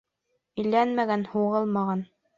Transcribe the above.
Иләнмәгән, һуғылмаған